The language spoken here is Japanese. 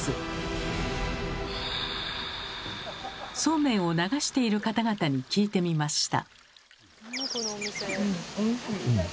そうめんを流している方々に聞いてみました。